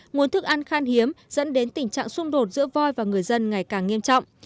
nguồn thức ăn khan hiếm dẫn đến tình trạng xung đột giữa voi và người dân ngày càng nghiêm trọng